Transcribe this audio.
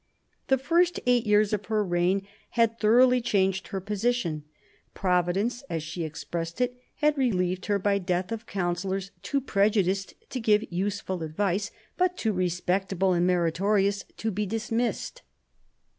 The first eight years of her reign had thoroughly changed her position. " Providence," as she expressed it, " had relieved her by death of councillors too prejudiced to give useful advice, but too respectable and meritorious to be dismissed."